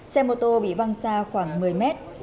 xe mô tô bị văng xa khoảng một mươi mét